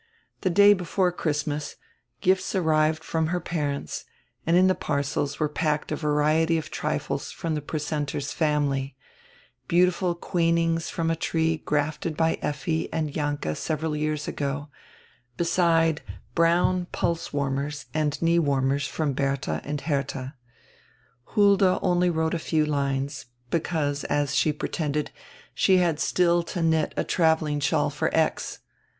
The day before Christmas gifts arrived from her parents, and in die parcels were packed a variety of trifles from die precentor's family: beautiful queenings from a tree grafted by Effi and Jalinke several years ago, beside brown pulse warmers and knee warmers from Bertiia and Herdia. Hulda only wrote a few lines, because, as she pretended, she had still to knit a traveling shawl for X.